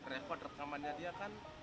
rekod rekamannya dia kan